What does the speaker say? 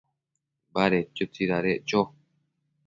Badedquio tsidadeccho